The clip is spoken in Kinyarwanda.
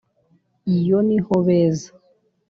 Iyo niho beza